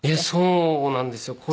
そうなんですよ。